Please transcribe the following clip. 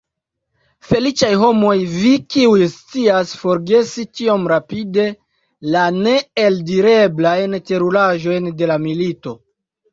Feliĉaj homoj vi, kiuj scias forgesi tiom rapide la neeldireblajn teruraĵojn de la milito!